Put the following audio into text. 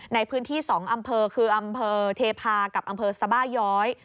ในพื้นที่๒อำเภอคืออำเภอเทพากับอำเภอสบาย้อย